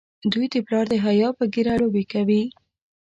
دوی د پلار د حیا په ږیره لوبې کوي.